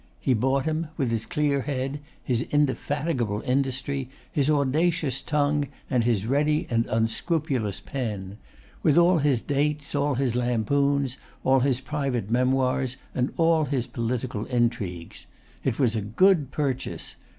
He bought him; with his clear head, his indefatigable industry, his audacious tongue, and his ready and unscrupulous pen; with all his dates, all his lampoons; all his private memoirs, and all his political intrigues. It was a good purchase.